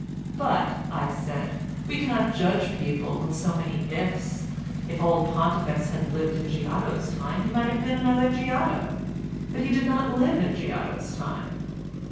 "But," said I, "we cannot judge people with so many 'ifs.' If old Pontifex had lived in Giotto's time he might have been another Giotto, but he did not live in Giotto's time."